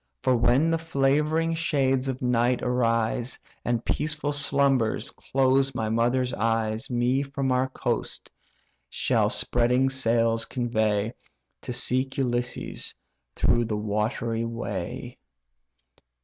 For when the favouring shades of night arise, And peaceful slumbers close my mother's eyes, Me from our coast shall spreading sails convey, To seek Ulysses through the watery way."